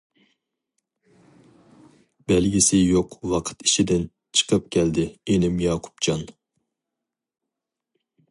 بەلگىسى يوق ۋاقىت ئىچىدىن، چىقىپ كەلدى ئىنىم ياقۇپجان.